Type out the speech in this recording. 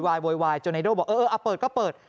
โวยวายจนไนโด่บอกเออเปิดก็เปิด